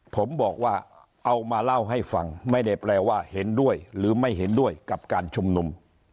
ผมบอกว่าเอามาเล่าให้ฟังไม่ได้แปลว่าเห็นด้วยหรือไม่เห็นด้วยกับการชุมนุม